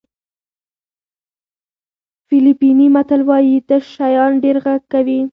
فلیپیني متل وایي تش شیان ډېر غږ کوي.